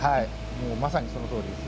もうまさにそのとおりです。